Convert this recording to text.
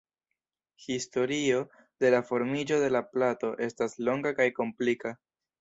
Historio de la formiĝo de la plato estas longa kaj komplika.